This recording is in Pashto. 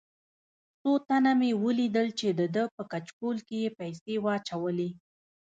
څو تنه مې ولیدل چې دده په کچکول کې یې پیسې واچولې.